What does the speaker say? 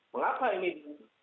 mengapa ini dimaksud